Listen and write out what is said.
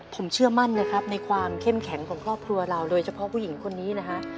ผมเชื่อมั่นนะครับในความเข้มแข็งของครอบครัวเราโดยเฉพาะผู้หญิงคนนี้นะฮะ